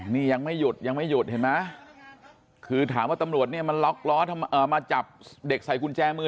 นี่ยังไม่หยุดยังไม่หยุดเห็นไหมคือถามว่าตำรวจเนี่ยมันล็อกล้อมาจับเด็กใส่กุญแจมือ